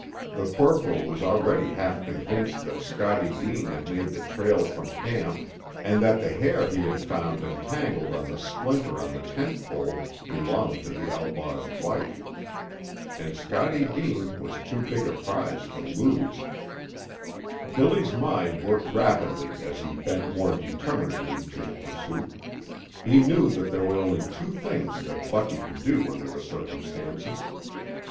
The corporal was already half convinced that Scottie Deane had made the trail from camp and that the hair he had found entangled in the splinter on the tent pole belonged to the outlaw's wife. And Scottie Deane was too big a prize to lose. Billy's mind worked rapidly as he bent more determinedly to the pursuit. He knew that there were only two things that Bucky could do under the circumstances.